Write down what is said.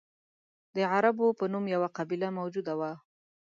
د عربو په نوم یوه قبیله موجوده وه.